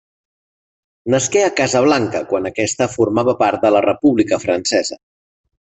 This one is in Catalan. Nasqué a Casablanca, quan aquesta formava part de la República francesa.